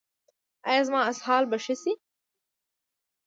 ایا زما اسهال به ښه شي؟